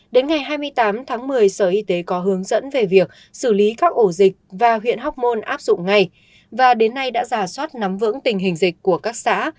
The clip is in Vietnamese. đến ngày hai mươi tám tháng một mươi sở y tế có hướng dẫn về việc xử lý các ổ dịch và huyện hóc môn áp dụng ngay và đến nay đã giả soát nắm vững tình hình dịch của các xã